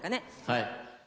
「はい」